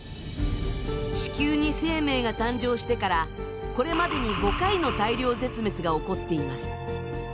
地球に生命が誕生してからこれまでに５回の大量絶滅が起こっています。